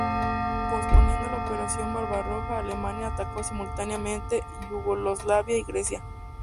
Posponiendo la Operación Barbarroja, Alemania atacó simultáneamente Yugoslavia y Grecia.